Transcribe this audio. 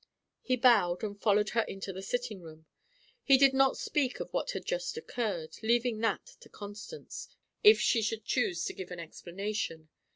He bowed, and followed her into the sitting room. He did not speak of what had just occurred, leaving that to Constance, if she should choose to give an explanation.